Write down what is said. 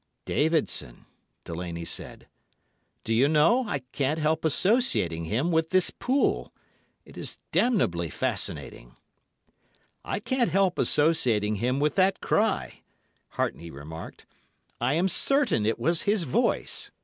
"'Davidson,' Delaney said. 'Do you know, I can't help associating him with this pool. It is damnably fascinating.' "'I can't help associating him with that cry,' Hartney remarked. 'I am certain it was his voice!